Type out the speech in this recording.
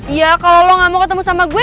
iya kalau lo gak mau ketemu sama gue